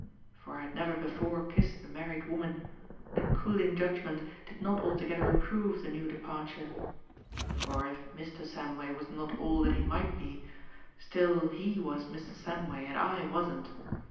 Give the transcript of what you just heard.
For I had never before kissed a married woman, and cooling judgment did not altogether approve the new departure; for if Mr. Samway was not all that he might be, still he was Mr. Samway and I wasn't.